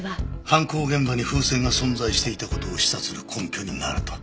犯行現場に風船が存在していた事を示唆する根拠になると？